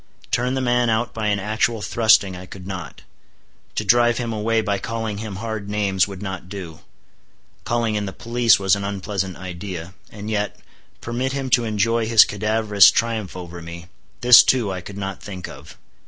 Turn the man out by an actual thrusting I could not; to drive him away by calling him hard names would not do; calling in the police was an unpleasant idea; and yet, permit him to enjoy his cadaverous triumph over me,—this too I could not think of.